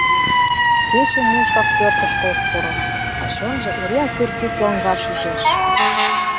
Кече мучкак пӧртышкӧ ок пуро, а чонжо эреак пӱртӱс лоҥгаш ӱжеш.